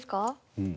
うん。